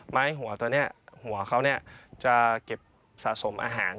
หัวตัวนี้หัวเขาจะเก็บสะสมอาหาร